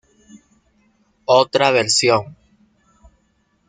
Otra versión